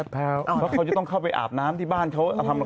เพราะเขาจะต้องเข้าไปอาบน้ำบ้านเขา